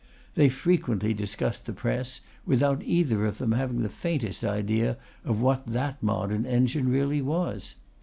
They frequently discussed the press, without either of them having the faintest idea of what that modern engine really was.